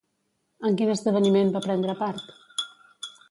En quin esdeveniment va prendre part?